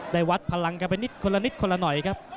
วัดพลังกันไปนิดคนละนิดคนละหน่อยครับ